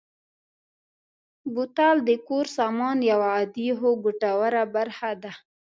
بوتل د کور سامان یوه عادي خو ګټوره برخه ده.